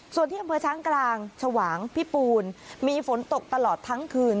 ส่วนที่อำเภอช้างกลางชวางพิปูนมีฝนตกตลอดทั้งคืน